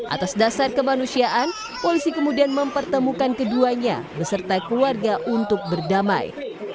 atas dasar kemanusiaan polisi kemudian mempertemukan keduanya beserta keluarga untuk berdamai